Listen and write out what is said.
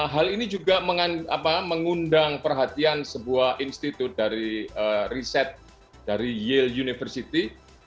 hal ini juga mengundang perhatian sebuah institut dari riset dari yield university